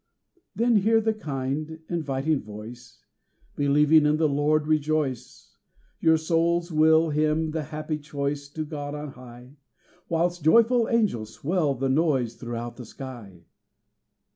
Then hear the kind, inviting voice Believing in the Lord rejoice; Your souls will hymn the happy choice To God on high, Whilst joyful angels swell the noise Throughout the sky.